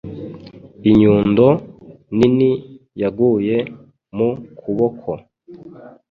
Inyundo nini yaguye mu kuboko: